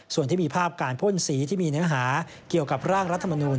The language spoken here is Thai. ส่วนที่มีภาพการพ่นสีที่มีเนื้อหาเกี่ยวกับร่างรัฐมนูล